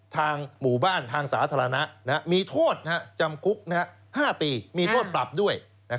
ทางหมู่บ้านทางสาธารณะมีโทษจำคุก๕ปีมีโทษปรับด้วย